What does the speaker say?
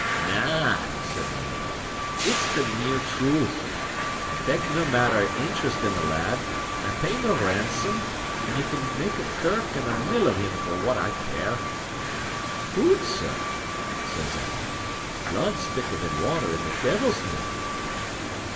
"Na," said my uncle, "it's the mere truth. I take nae manner of interest in the lad, and I'll pay nae ransome, and ye can make a kirk and a mill of him for what I care." "Hoot, sir," says Alan. "Blood's thicker than water, in the deil's name!